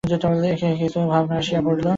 একে একে কত কী ভাবনা আসিয়া পড়িল।